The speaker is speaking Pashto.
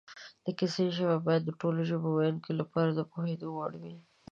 د کیسې ژبه باید د ټولو ژبې ویونکو لپاره د پوهېدو وړ وي